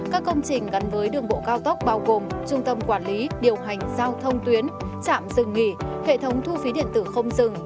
các công trình gắn với đường bộ cao tốc bao gồm trung tâm quản lý điều hành giao thông tuyến trạm dừng nghỉ hệ thống thu phí điện tử không dừng